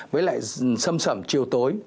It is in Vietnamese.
với lại sâm sẩm chiều tối